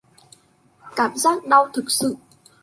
Cảm giác đau thực sự